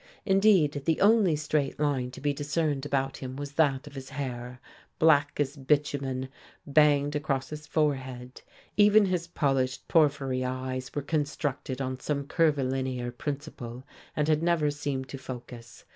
Indeed, the only straight line to be discerned about him was that of his hair, black as bitumen, banged across his forehead; even his polished porphyry eyes were constructed on some curvilinear principle, and never seemed to focus.